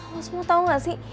lo semua tau gak sih